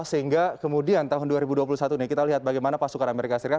sehingga kemudian tahun dua ribu dua puluh satu nih kita lihat bagaimana pasukan amerika serikat